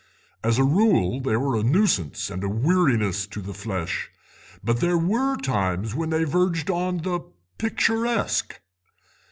As a rule they were a nuisance and a weariness to the flesh, but there were times when they verged on the picturesque.